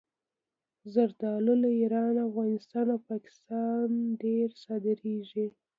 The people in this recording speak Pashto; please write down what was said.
زردالو له ایران، افغانستان او پاکستانه ډېره صادرېږي.